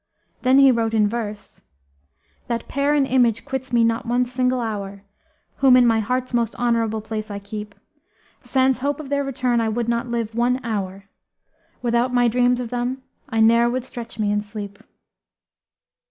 Then he wrote in verse, "That pair in image quits me not one single hour, * Whom in my heart's most honourable place I keep: Sans hope of their return I would not live one hour, * Without my dreams of them I ne'er would stretch me in sleep."